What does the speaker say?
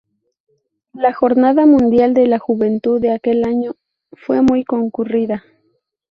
La Jornada Mundial de la Juventud de aquel año fue muy concurrida.